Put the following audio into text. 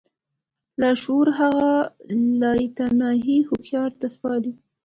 لاشعور هغه لايتناهي هوښياري ته سپاري.